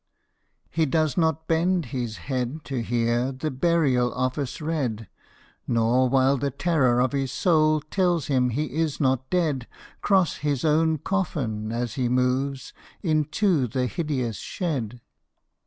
He does not bend his head to hear The Burial Office read, Nor, while the terror of his soul Tells him he is not dead, Cross his own coffin, as he moves Into the hideous shed.